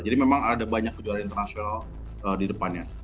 jadi memang ada banyak kejuaraan internasional di depannya